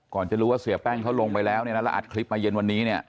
จะรู้ว่าเสียแป้งเขาลงไปแล้วเนี่ยนะแล้วอัดคลิปมาเย็นวันนี้เนี่ย